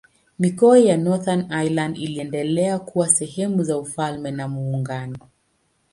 Mikoa ya Northern Ireland iliendelea kuwa sehemu za Ufalme wa Muungano.